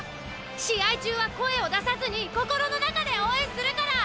試合中は声を出さずに心の中で応援するから。